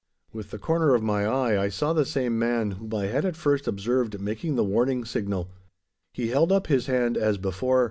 With the corner of my eye I saw the same man whom I had at first observed making the warning signal. He held up his hand as before.